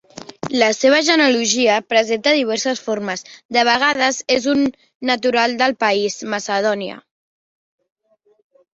La seva genealogia presenta diverses formes: de vegades és un natural del país, Macedònia.